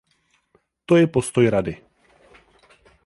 To je postoj Rady.